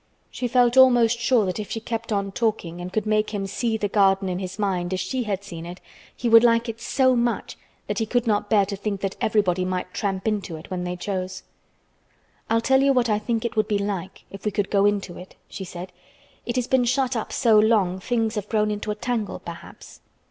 She felt almost sure that if she kept on talking and could make him see the garden in his mind as she had seen it he would like it so much that he could not bear to think that everybody might tramp in to it when they chose. "I'll tell you what I think it would be like, if we could go into it," she said. "It has been shut up so long things have grown into a tangle perhaps."